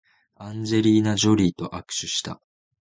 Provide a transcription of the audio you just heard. アンジェリーナジョリーと握手した